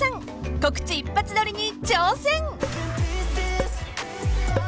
［告知一発撮りに挑戦！］